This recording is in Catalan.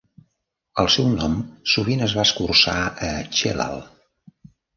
El seu nom sovint es va escurçar a "Chelal".